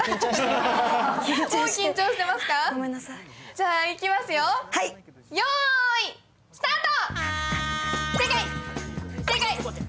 じゃあいきますよ、よーい、スタート。